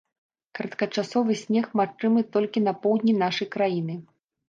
Кароткачасовы снег магчымы толькі на поўдні нашай краіны.